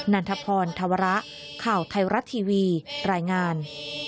ันทพรธวระข่าวไทยรัฐทีวีรายงาน